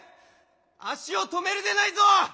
足を止めるでないぞ！